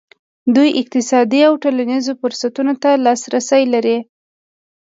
دوی اقتصادي او ټولنیزو فرصتونو ته لاسرسی لري.